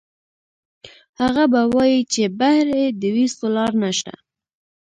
هغه به وائي چې بهر ئې د ويستو لار نشته